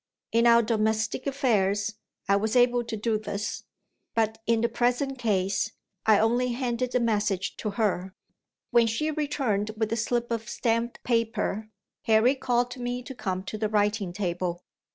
In our domestic affairs, I was able to do this; but, in the present case, I only handed the message to her. When she returned with a slip of stamped paper, Harry called to me to come to the writing table.